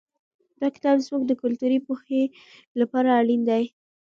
دا کتاب زموږ د کلتوري پوهې لپاره اړین دی.